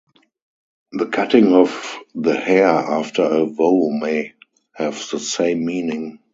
The cutting of the hair after a vow may have the same meaning.